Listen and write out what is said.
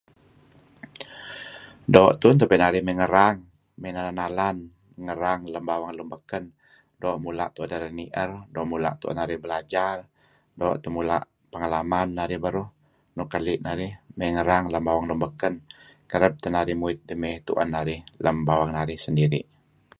Doo' tun tabe' narih may ngerang, may nalan-nalan, ngerang lem bawang lun baken doo' mula' tuen narih nier, doo' mula' tuen narih belajar, doo' teh mula' pengalaman narih beruh, nuk keli' narih, may erang lem bawang lun baken. Kareb teh narih muit may tuen narih lem bawang narih sendiri'.